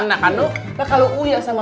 nah kanu nah kalau uya sama